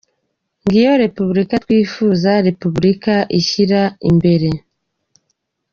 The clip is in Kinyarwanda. Ngiyo Repubulika twifuza, Repubulika ishyira imbere